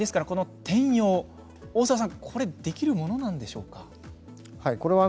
大澤さん、転用はできるものなんでしょうか？